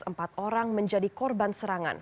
empat orang menjadi korban serangan